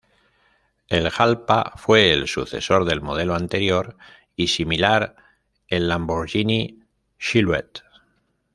El Jalpa fue el sucesor del modelo anterior y similar, el Lamborghini Silhouette.